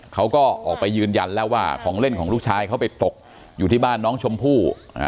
เขาก็ออกไปยืนยันแล้วว่าของเล่นของลูกชายเขาไปตกอยู่ที่บ้านน้องชมพู่